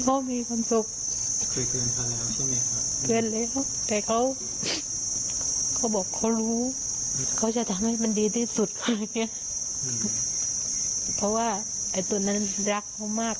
แต่อาจจะเป็นธรรมชาติเลยเพราะว่าไอ้ตัวนั้นรักเขามาก